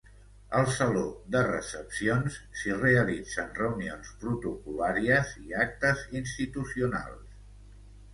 Al saló de recepcions s'hi realitzen reunions protocol·làries, i actes institucionals.